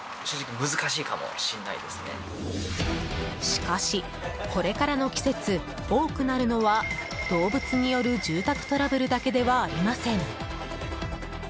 しかし、これからの季節多くなるのは動物による住宅トラブルだけではありません。